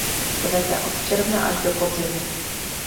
Kvete od června až do podzimu.